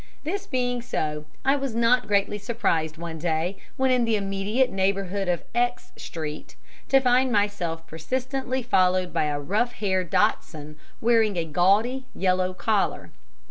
This being so, I was not greatly surprised one day, when in the immediate neighbourhood of X Street, to find myself persistently followed by a rough haired dachshund wearing a gaudy yellow collar.